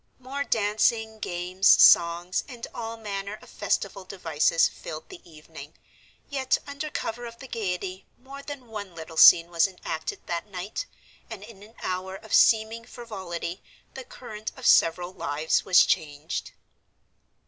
More dancing, games, songs, and all manner of festival devices filled the evening, yet under cover of the gaiety more than one little scene was enacted that night, and in an hour of seeming frivolity the current of several lives was changed.